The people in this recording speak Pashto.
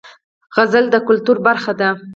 سندره د کلتور برخه ده